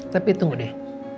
tapi tunggu deh